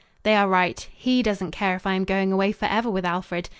They are right: he doesn't care if I am going away for ever with Alfred.